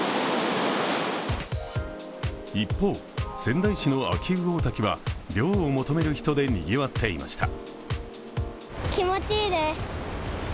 一方、仙台市の秋保大滝は涼を求める人でにぎわっていました。